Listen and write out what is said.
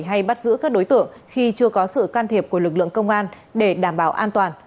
hay bắt giữ các đối tượng khi chưa có sự can thiệp của lực lượng công an để đảm bảo an toàn